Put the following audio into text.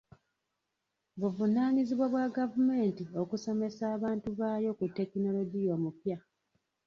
Buvunaanyizibwa bwa gavumenti okusomesa abantu baayo ku tekinologiya omupya.